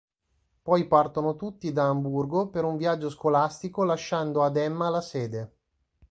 Poi partono tutti da Amburgo per un viaggio scolastico lasciando ad Emma la sede.